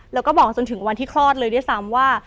แล้วก็บอกจนถึงวันที่คลอดเลยด้วยซ้ำว่า